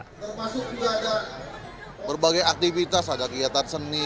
termasuk juga ada berbagai aktivitas ada kegiatan seni